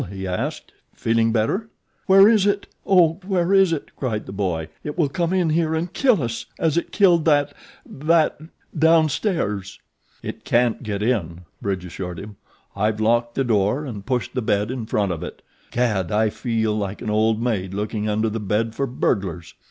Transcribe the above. he asked. "Feeling better?" "Where is it? Oh, God! Where is it?" cried the boy. "It will come in here and kill us as it killed that that down stairs." "It can't get in," Bridge assured him. "I've locked the door and pushed the bed in front of it. Gad! I feel like an old maid looking under the bed for burglars."